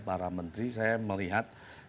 para menteri saya melihat